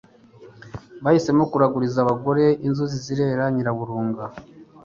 bahisemo kuraguriza abagore, inzuzi zerera Nyiraburunga